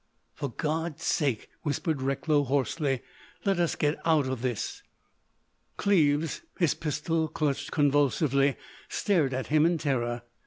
"For God's sake," whispered Recklow hoarsely, "let us get out of this!" Cleves, his pistol clutched convulsively, stared at him in terror.